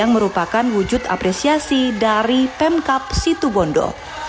melakukan wujud apresiasi dari pemkap situbondo